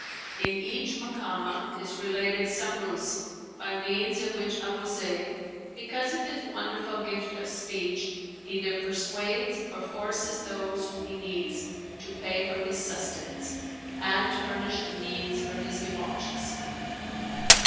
In each Makámah is related some ruse, by means of which Abu Zeid, because of his wonderful gift of speech, either persuades or forces those whom he meets to pay for his sustenance, and furnish the means for his debauches.